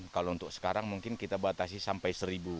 kalau untuk sekarang mungkin kita batasi sampai seribu